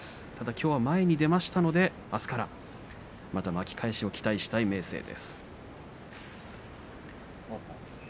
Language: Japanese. きょうは前に出ましたのであしたから、また巻き返しを期待したい明生です。